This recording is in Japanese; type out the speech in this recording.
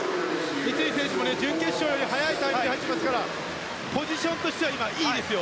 三井選手も準決勝より速いタイムで入っていますからポジションとしては今、いいですよ。